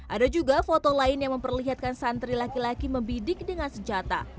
ada juga foto lain yang memperlihatkan santri laki laki membidik dengan senjata